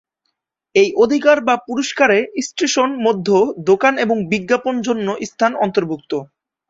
এই অধিকার বা পুরস্কারে স্টেশন মধ্যে দোকান এবং বিজ্ঞাপন জন্য স্থান অন্তর্ভুক্ত।